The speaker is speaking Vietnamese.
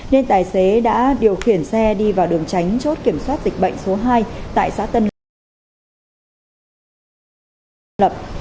nên tài xế đã điều khiển xe đi vào đường tránh chốt kiểm soát dịch bệnh số hai tại xã tân lập